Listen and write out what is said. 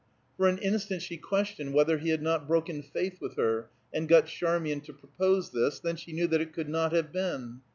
For an instant she questioned whether he had not broken faith with her, and got Charmian to propose this; then she knew that it could not have been.